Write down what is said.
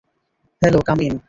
Hello, come in.